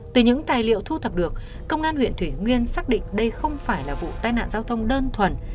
từ những tài liệu thu thập được công an huyện thủy nguyên xác định đây không phải là vụ tai nạn giao thông đơn thuần